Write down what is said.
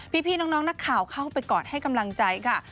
พี่น้องนักข่าวเข้าไปกอดให้กำลังใจค่ะ